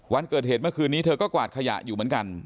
วันเกิดเหตุเมื่อคืนนี้เธอก็กวาดขยะอยู่เหมือนกัน